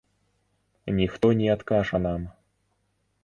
Ніхто не адкажа нам.